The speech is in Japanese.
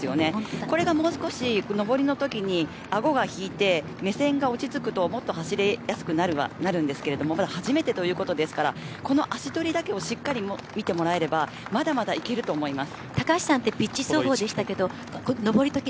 これがもう少し上りのときにアゴが引いて目線が落ち着くともっと走りやすくなるんですが初めてということですがこの足取りだけをしっかり見てもらえればまだまだいけると思います。